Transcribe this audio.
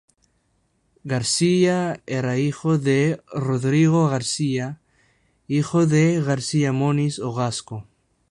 García era hijo de Rodrigo García, hijo de Garcia Moniz, o Gasco.